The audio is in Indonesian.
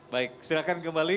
baik silakan kembali